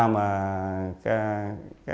mr quán phết bị biến giết